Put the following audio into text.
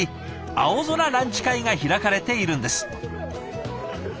青空ランチ会が開かれているんです。